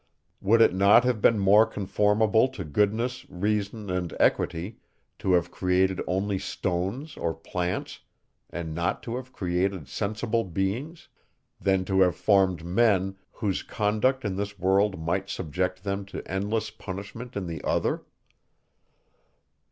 Would it not have been more conformable to goodness, reason, and equity, to have created only stones or plants, and not to have created sensible beings; than to have formed men, whose conduct in this world might subject them to endless punishment in the other?